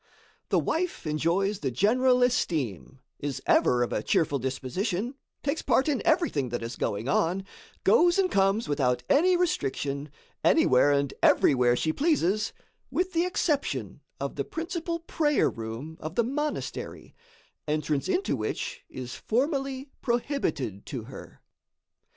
The wife enjoys the general esteem, is ever of a cheerful disposition, takes part in everything that is going on, goes and comes without any restriction, anywhere and everywhere she pleases, with the exception of the principal prayer room of the monastery, entrance into which is formally prohibited to her.